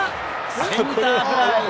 センターフライ。